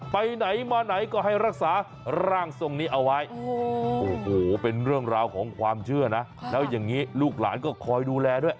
ไปไหนมาไหนก็ให้รักษาร่างทรงนี้เอาไว้โอ้โหเป็นเรื่องราวของความเชื่อนะแล้วอย่างนี้ลูกหลานก็คอยดูแลด้วย